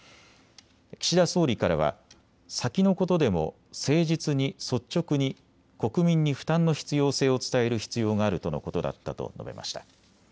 岸田総理からは先のことでも誠実に率直に国民に負担の必要性を伝える必要があるとのことだったと述べました。